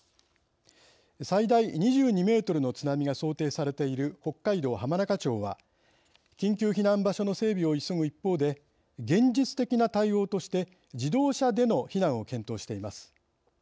最大２２メートルの津波が想定されている北海道浜中町は緊急避難場所の整備を急ぐ一方で現実的な対応として自動車での避難を検討しています。